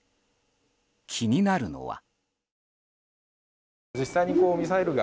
気になるのは。